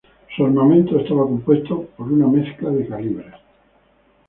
Su armamento estaba compuesto por una mezcla de calibres.